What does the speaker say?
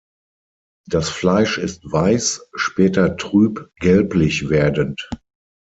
Das Fleisch ist weiß, später trüb gelblich werdend.